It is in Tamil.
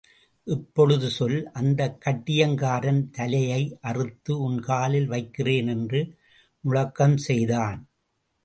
இப்பொழுது சொல் அந்தக் கட்டியங்காரன் தலையை அறுத்து உன் காலில் வைக்கிறேன் என்று முழக்கம் செய்தான்.